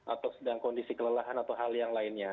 atau sedang kondisi kelelahan atau hal yang lainnya